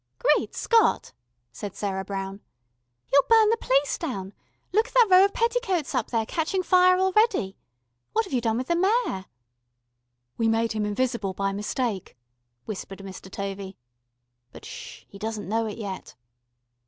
"Great Scott!" said Sarah Brown. You'll burn the place down. Look at that row of petticoats up there, catching fire already. What have you done with the Mayor?" "We made him invisible by mistake," whispered Mr. Tovey. "But sh sh, he doesn't know it yet."